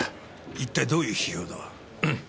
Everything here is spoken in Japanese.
一体どういう批評だ？